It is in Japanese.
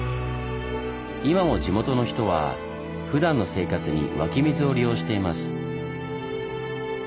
今も地元の人はふだんの生活に湧き水を利用しています。